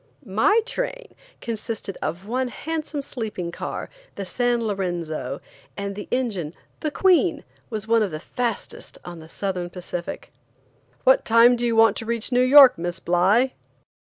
My train consisted of one handsome sleeping car, the San Lorenzo, and the engine, The Queen, was one of the fastest on the Southern Pacific. "What time do you want to reach New York, Miss Bly?"